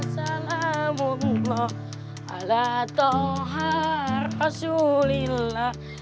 salamullah ala tohar rasulillah